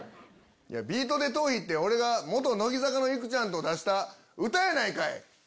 『ビートＤＥトーヒ』って俺が乃木坂のいくちゃんと出した歌やないかい！